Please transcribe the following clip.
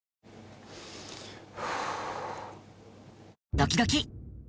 ドキドキ。